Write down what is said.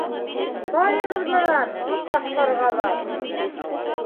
— Тайығыҙ бынан, ас ҡарғалар!